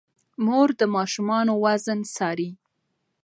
مور د ماشومانو وزن څاري.